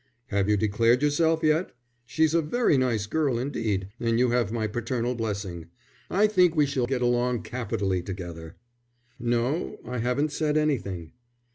"Have you declared yourself yet? She's a very nice girl indeed, and you have my paternal blessing. I think we shall get on capitally together." "No; I haven't said anything."